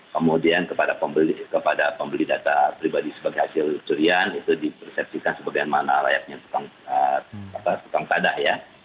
kemudian kepada pembeli data pribadi sebagai hasil curian itu dipersepsikan sebagaimana layaknya tukang tadah ya